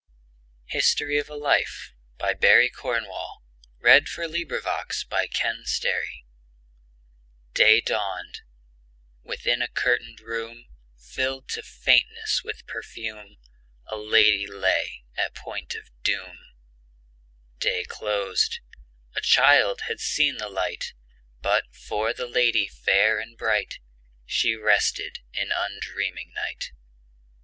G H . I J . K L . M N . O P . Q R . S T . U V . W X . Y Z History of a Life DAY dawned: within a curtained room, Filled to faintness with perfume, A lady lay at point of doom. Day closed; a child had seen the light; But, for the lady fair and bright, She rested in undreaming night.